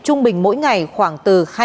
trung bình mỗi ngày khoảng từ